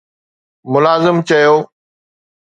ملازم چيو